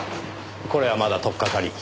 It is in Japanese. これはまだとっかかり。